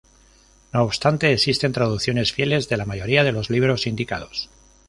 No obstante, existen traducciones fieles de la mayoría de los libros indicados.